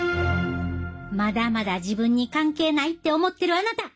まだまだ自分に関係ないって思ってるあなた！